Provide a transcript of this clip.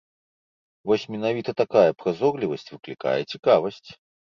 Вось менавіта такая празорлівасць выклікае цікавасць.